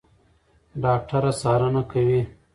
ډاکټره څارنه کوي.